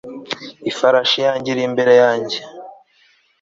ifarashi yanjye iri imbere yanjye